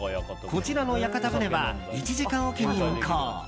こちらの屋形船は１時間おきに運航。